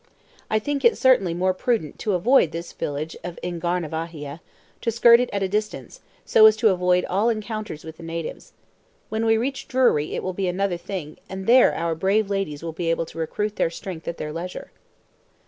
I think it certainly more prudent to avoid this village of Ngarnavahia, to skirt it at a distance, so as to avoid all encounters with the natives. When we reach Drury it will be another thing, and there our brave ladies will be able to recruit their strength at their leisure."